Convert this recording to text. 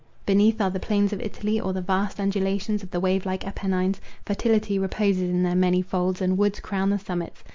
Beneath are the plains of Italy, or the vast undulations of the wave like Apennines: fertility reposes in their many folds, and woods crown the summits.